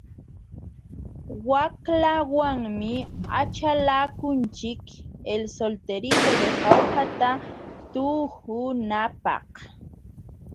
Waqlawanmi achalakunchik El solterito de jaujata tuhunapaq.